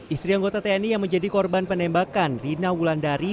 istri anggota tni yang menjadi korban penembakan rina wulandari